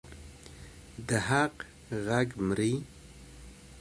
د حق غږ مري؟